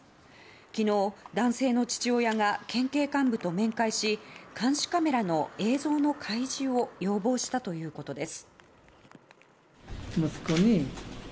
昨日、男性の父親が県警幹部と面会し監視カメラの映像の開示を要望したということです。